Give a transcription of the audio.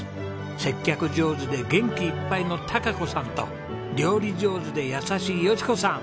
接客上手で元気いっぱいの貴子さんと料理上手で優しい佳子さん。